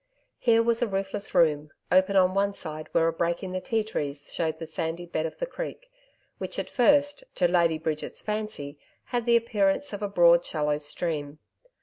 Here was a roofless room, open on one side where a break in the ti trees showed the sandy bed of the creek, which, at first, to Lady Bridget's fancy, had the appearance of a broad shallow stream.